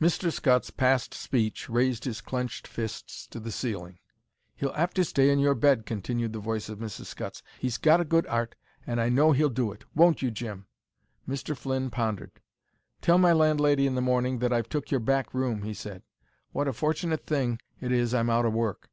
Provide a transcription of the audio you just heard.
Mr. Scutts, past speech, raised his clenched fists to the ceiling. "He'll 'ave to stay in your bed," continued the voice of Mrs. Scutts. "He's got a good 'art, and I know he'll do it; won't you, Jim?" Mr. Flynn pondered. "Tell my landlady in the morning that I've took your back room," he said. "What a fortunit thing it is I'm out o' work.